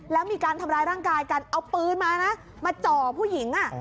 แล้วมีการทำร้ายร่างกายกันเอาปืนมานะมาจ่อผู้หญิง